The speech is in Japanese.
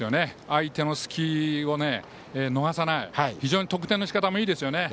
相手の隙を逃さない非常に得点のしかたもいいですね。